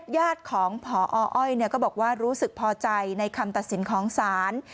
ญาติของพออ้อยก็บอกว่ารู้สึกพอใจในคำตัดสินของศาล